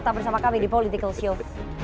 tetap bersama kami di political show